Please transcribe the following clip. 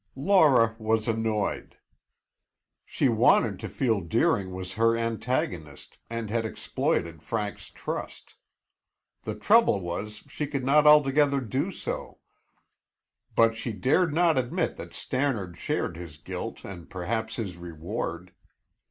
Laura was annoyed. She wanted to feel Deering was her antagonist and had exploited Frank's trust. The trouble was, she could not altogether do so, but she dared not admit that Stannard shared his guilt and perhaps his reward.